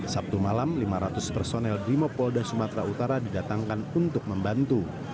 sabtu malam lima ratus personel brimopolda sumatera utara didatangkan untuk membantu